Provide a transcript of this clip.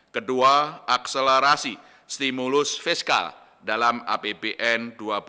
kedua akselerasi stimulus fiskal dalam apbn dua ribu dua puluh